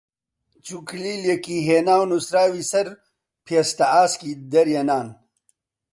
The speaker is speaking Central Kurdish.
چوو کلیلێکی هێنا و نووسراوی سەر پێستە ئاسکی دەرێنان